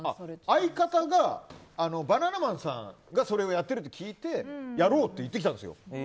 相方が、バナナマンさんがやってるって聞いてやろうって言ってきたんですよ。